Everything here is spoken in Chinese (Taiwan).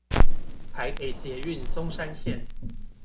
臺北捷運松山線